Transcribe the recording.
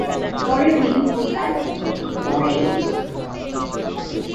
পরের দিন, দুই গায়ক মৌখিক লড়াইয়ে জড়িয়ে পড়ে।